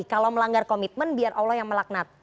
kalau melanggar komitmen biar allah yang melaknat